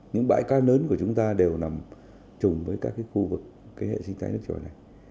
những bãi cát lớn của chúng ta đều nằm chung với các khu vực hệ sinh thái nước trổi này